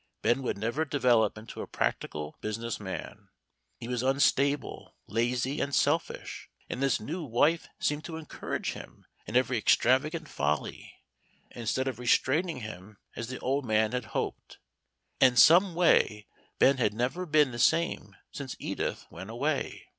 Ben would never develop into a practical business man. He was unstable, lazy, and selfish. And this new wife seemed to encourage him in every extravagant folly, instead of restraining him as the old man had hoped. And someway Ben had never been the same since Edith went away.